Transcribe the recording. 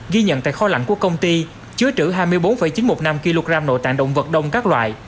ghi nhận tại kho lạnh của công ty chứa trữ hai mươi bốn chín trăm một mươi năm kg nội tạng động vật đông các loại